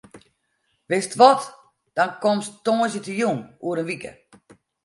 Wist wat, dan komst tongersdeitejûn oer in wike.